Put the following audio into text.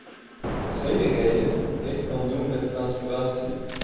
De tweede reden heeft van doen met transparantie.